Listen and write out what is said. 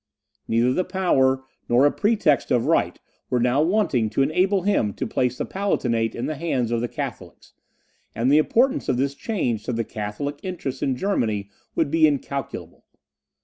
Neither the power, nor a pretext of right, were now wanting to enable him to place the Palatinate in the hands of the Catholics, and the importance of this change to the Catholic interests in Germany would be incalculable.